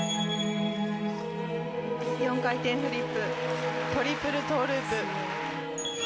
４回転フリップ、トリプルトーループ。